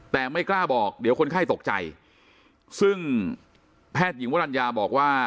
แต่ไม่กล้าบอกเดี๋ยวคนไข้ตกใจซึ่งแพทย์หญิงวรรณญาบอกว่า